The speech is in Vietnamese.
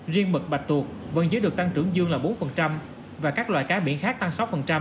riêng mực bạch tuộc vẫn giữ được tăng trưởng dương là bốn và các loại cá biển khác tăng sáu